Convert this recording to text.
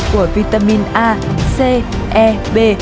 của vitamin a c e b